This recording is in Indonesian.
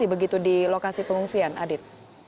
juga mengungsi begitu di lokasi pengungsian adit